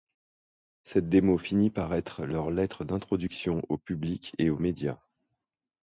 Cette démo finit par être leur lettre d'introduction au public et aux médias.